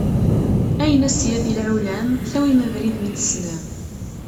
Ayen a syadi lɛulam, tawim abrid mi t-tessnem.